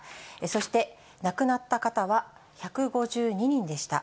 そして亡くなった方は１５２人でした。